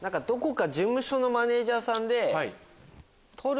事務所のマネジャーさんで。